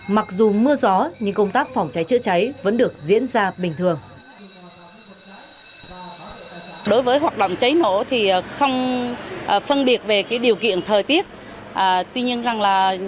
mặc dù mưa gió nhưng công tác phòng cháy chữa cháy vẫn được diễn ra bình thường